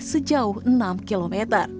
sejauh enam km